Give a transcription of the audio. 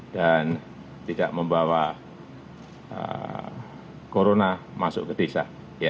dan tidak membawa corona masuk ke desa